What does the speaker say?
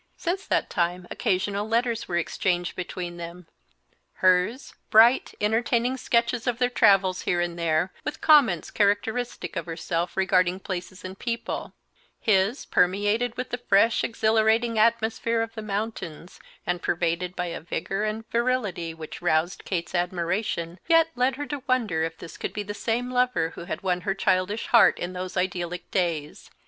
Since that time, occasional letters were exchanged between them; hers, bright, entertaining sketches of their travels here and there, with comments characteristic of herself regarding places and people; his, permeated with the fresh, exhilarating atmosphere of the mountains, and pervaded by a vigor and virility which roused Kate's admiration, yet led her to wonder if this could be the same lover who had won her childish heart in those idyllic days.